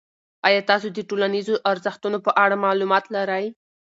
آیا تاسو د ټولنیزو ارزښتونو په اړه معلومات لرئ؟